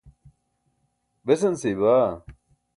Besan seybaa?